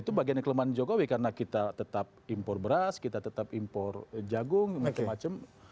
itu bagiannya kelemahan jokowi karena kita tetap impor beras kita tetap impor jagung macam macam